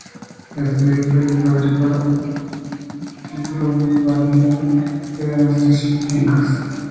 Estudió Perito agrícola, obteniendo más tarde el título habilitante de administrador de fincas.